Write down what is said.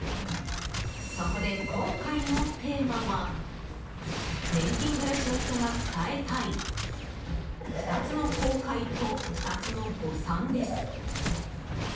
そこで、今回のテーマは年金暮らしの人が伝えたい２つの後悔と２つの誤算です。